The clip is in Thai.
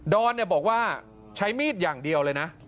อนบอกว่าใช้มีดอย่างเดียวเลยนะ